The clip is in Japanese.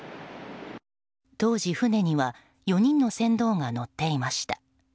当時、船には４人の船頭が乗っていました。